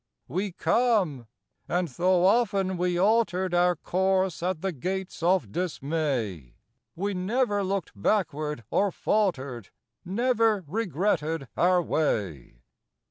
We come; and though often we altered Our course at the gates of dismay, We never looked backward or faltered. Never regretted our way.